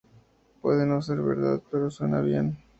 Puede no ser verdad, pero suena bien.